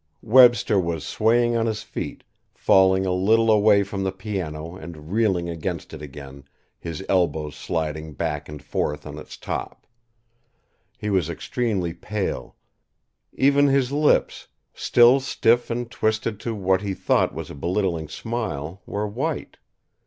Webster was swaying on his feet, falling a little away from the piano and reeling against it again, his elbows sliding back and forth on its top. He was extremely pale; even his lips, still stiff and twisted to what he thought was a belittling smile, were white.